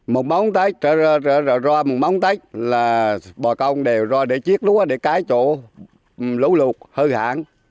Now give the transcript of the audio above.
một bóng tách ro một bóng tách là bò công đều ro để chiếc lúa để cái chỗ lũ lụt hư hỏng